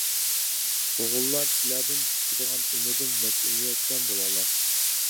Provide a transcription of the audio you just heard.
ئوغۇللار سىلەردىن كۈتىدىغان ئۈمىدىم مەسئۇلىيەتچان بولۇڭلار!